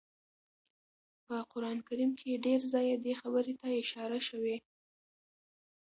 په قران کريم کي ډير ځايه دې خبرې ته اشاره شوي